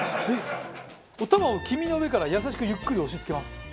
おたまを黄身の上から優しくゆっくり押し付けます。